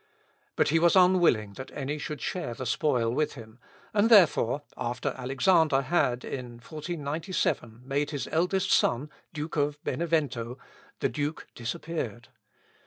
But he was unwilling that any should share the spoil with him, and, therefore, after Alexander had, in 1497, made his eldest son Duke of Benevento, the Duke disappeared.